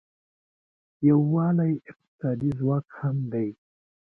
یووالی اقتصادي ځواک هم دی.